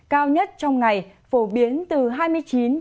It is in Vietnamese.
cao nhất trong ngày phổ biến từ hai mươi chín đến hai mươi chín độ